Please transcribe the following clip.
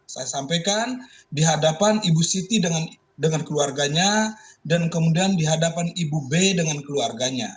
saya sampaikan dihadapan ibu siti dengan keluarganya dan kemudian dihadapan ibu b dengan keluarganya